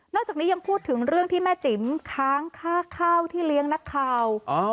จากนี้ยังพูดถึงเรื่องที่แม่จิ๋มค้างค่าข้าวที่เลี้ยงนักข่าว